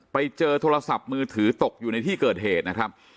ไปเจอโทรศัพท์มือถือตกอยู่ในที่เกิดเหตุนะครับ